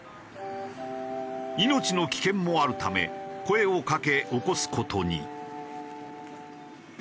命の危険もあるため声をかけ起こす事に。